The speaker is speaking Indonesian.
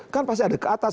kan pasti ada ke atas